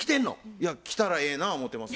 いや来たらええな思うてます。